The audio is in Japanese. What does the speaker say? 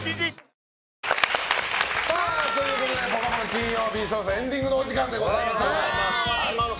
金曜日そろそろエンディングのお時間でございます。